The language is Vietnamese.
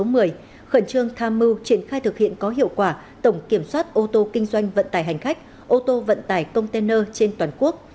cảnh sát giao thông tập trung tham mưu triển khai thực hiện có hiệu quả tổng kiểm soát ô tô kinh doanh vận tài hành khách ô tô vận tài container trên toàn quốc